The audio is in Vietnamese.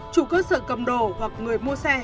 chủ cơ sở cầm đồ hoặc người mua xe